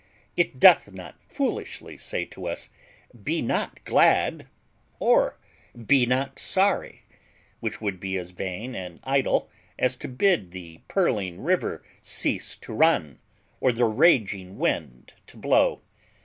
It doth not foolishly say to us, Be not glad, or, Be not sorry, which would be as vain and idle as to bid the purling river cease to run, or the raging wind to blow.